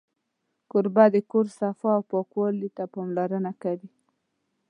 کوربه د کور صفا او پاکوالي ته پاملرنه کوي.